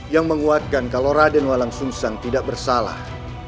yang menguatkan kalau raden walang sumseng tidak bersalah